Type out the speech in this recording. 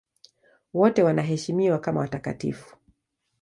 Wote wanaheshimiwa kama watakatifu.